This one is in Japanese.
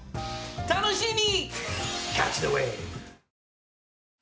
楽しみ！